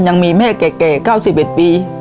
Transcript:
ยังมีแม่แก่๙๑ปี